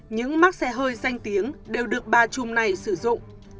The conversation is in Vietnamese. những mắc xe hơi danh tiếng đều được ba chùm này sử dụng